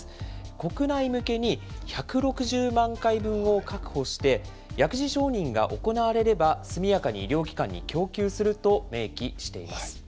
国内向けに１６０万回分を確保して、薬事承認が行われれば、速やかに医療機関に供給すると明記しています。